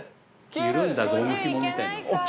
緩んだゴムひもみたい。